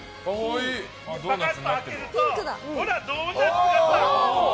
パカッと開けるとほら、ドーナツ型！